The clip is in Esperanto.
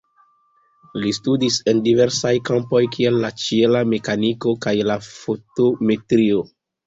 Li studis en diversaj kampoj kiel la ĉiela mekaniko kaj la fotometrio.